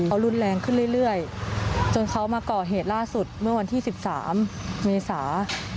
เขารุนแรงขึ้นเรื่อยจนเขามาก่อเหตุล่าสุดเมื่อวันที่๑๓เมษา